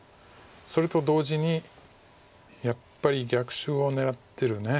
それと同時にやっぱり逆襲を狙ってる。